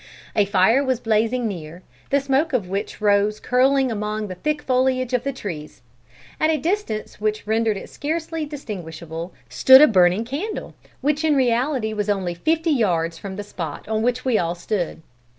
"A fire was blazing near, the smoke of which rose curling among the thick foliage of the trees. At a distance which rendered it scarcely distinguishable, stood a burning candle, which in reality was only fifty yards from the spot on which we all stood.